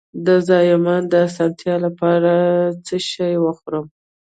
د زایمان د اسانتیا لپاره باید څه شی وخورم؟